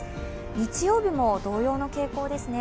日曜日も同様の傾向ですね。